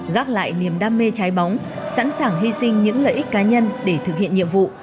gác lại niềm đam mê trái bóng sẵn sàng hy sinh những lợi ích cá nhân để thực hiện nhiệm vụ